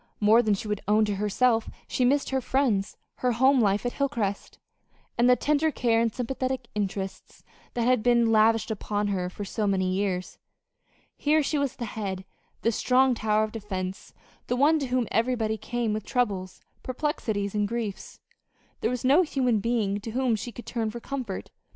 More than she would own to herself she missed her friends, her home life at Hilcrest, and the tender care and sympathetic interest that had been lavished upon her for so many years. Here she was the head, the strong tower of defense, the one to whom everybody came with troubles, perplexities, and griefs. There was no human being to whom she could turn for comfort.